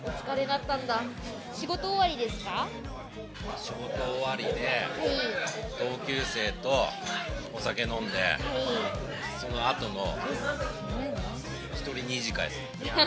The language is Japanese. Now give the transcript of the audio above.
仕事終わりで同級生とお酒飲んでそのあとの１人二次会ですね。